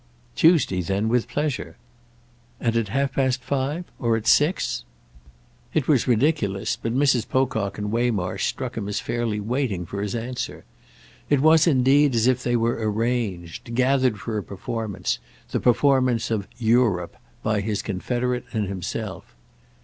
"Tuesday then with pleasure." "And at half past five?—or at six?" It was ridiculous, but Mrs. Pocock and Waymarsh struck him as fairly waiting for his answer. It was indeed as if they were arranged, gathered for a performance, the performance of "Europe" by his confederate and himself.